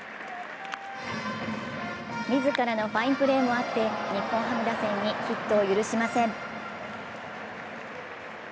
自らのファインプレーもあって、日本ハム打線にヒットを許しません。